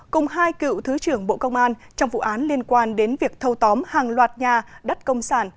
cùng hai cựu thứ trưởng bộ công an trong vụ án liên quan đến việc thâu tóm hàng loạt nhà đất công sản